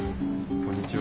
こんにちは。